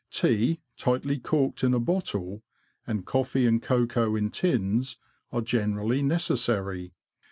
Tea tightly corked in a bottle, and coffee and cocoa in tins, are generally necessary.